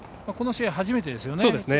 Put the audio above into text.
この試合、初めてですよね。